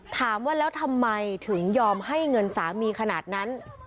ถามว่าแล้วทำไมถึงยอมให้เงินสามีขนาดนั้น